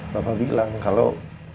bapak bilang kalau